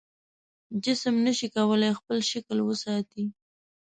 جسم نشي کولی خپل شکل وساتي.